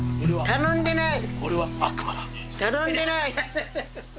頼んでない！